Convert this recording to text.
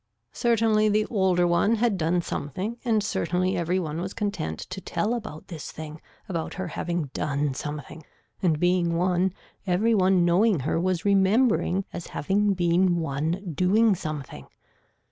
Certainly the older one had done something and certainly every one was content to tell about this thing about her having done something and being one every one knowing her was remembering as having been one doing something.